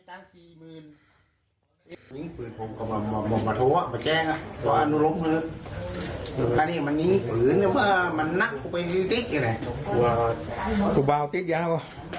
อันนี้มันถึงนี้ครับ